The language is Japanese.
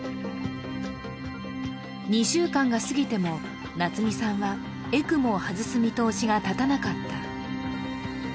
２週間が過ぎても、夏美さんはＥＣＭＯを外す見通しが立たなかった。